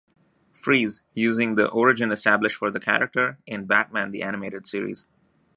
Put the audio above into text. Freeze, using the origin established for the character in Batman the Animated series.